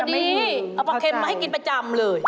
อันนี้เอาปลาเค็มมาให้กินประจำเลย